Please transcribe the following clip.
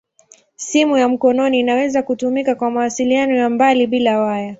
Simu ya mkononi inaweza kutumika kwa mawasiliano ya mbali bila waya.